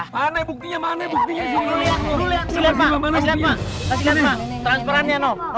mana buktinya mana buktinya lu lihat lu lihat kasih lihat mah kasih lihat transferannya noh